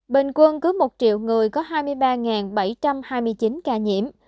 bình quân cứ một triệu người có hai mươi ba bảy trăm hai mươi chín ca nhiễm